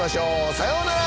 さようなら！